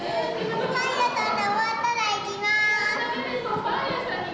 パン屋さんが終わったら行きます。